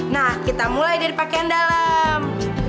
nah kita mulai dari pakaian dalam